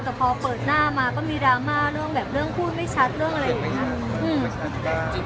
หรือเปิดหน้ามาก็มีรามาเรื่องคูลไม่ชัดอะไรอย่างเนี้ย